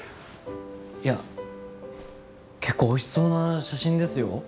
いや結構おいしそうな写真ですよ？